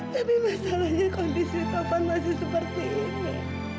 tapi masalahnya kondisi papan masih seperti ini